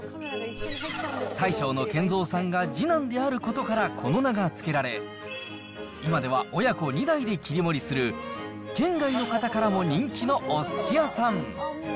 大将の健蔵さんが次男であることから、この名が付けられ、今では親子２代で切り盛りする、県外の方からも人気のおすし屋さん。